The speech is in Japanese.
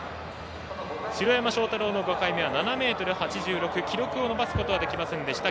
城山正太郎の５回目７ｍ８６で記録を伸ばすことはできませんでした。